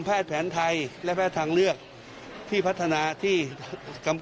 เพราะฉะนั้นตอนนี้มันเป็นเรื่องของการบุญครับ